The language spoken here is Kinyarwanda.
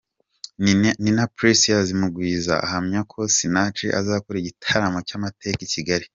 Nina Precious Mugwiza ahamya ko Sinach azakora igitaramo cy'amateka i Kigali.